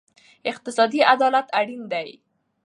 اقتصادي عدالت اړین دی.